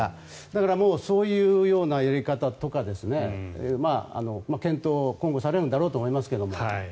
だから、そういうやり方とか検討を今後されるんだろうと思いますけど。